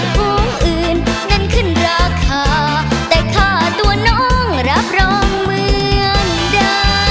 ของอื่นนั้นขึ้นราคาแต่ค่าตัวน้องรับรองเหมือนเดิม